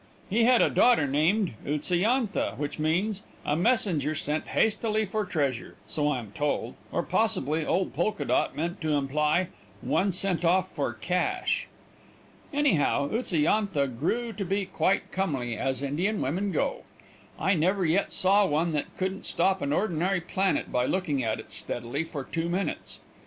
He had a daughter named Utsa yantha, which means "a messenger sent hastily for treasure," so I am told, or possibly old Polka Dot meant to imply "one sent off for cash." Anyhow Utsa yantha grew to be quite comely, as Indian women go. I never yet saw one that couldn't stop an ordinary planet by looking at it steadily for two minutes.